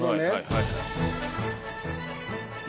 はい。